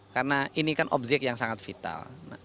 karena ini kan objek yang sangat vital